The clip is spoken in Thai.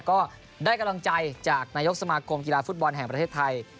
ก็ได้กำลังใจจากนายกสมาคมกีฬาฟุตบอลแห่งประเทศไทย